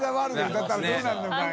歌ったらどうなるのかな？